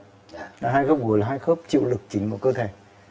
hai cái khớp gối là hai khớp chịu lực chính của cơ thể